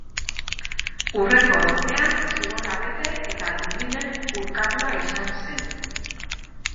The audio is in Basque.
Hurrengo egunean zigorra bete eta Dublinen urkatua izan zen.